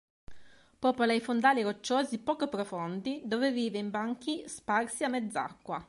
Popola i fondali rocciosi poco profondi dove vive in banchi sparsi a mezz'acqua.